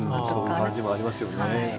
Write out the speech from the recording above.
そういう感じもありますよね。